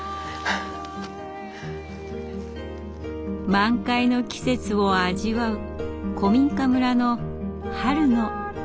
満開の季節を味わう古民家村の春の物語です。